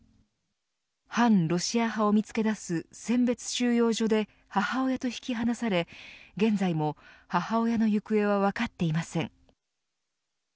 反ロシア派を見つけ出す選別収容所で母親と引き離され現在も母親の行方は分かっていません。